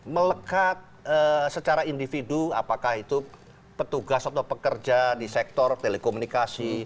melekat secara individu apakah itu petugas atau pekerja di sektor telekomunikasi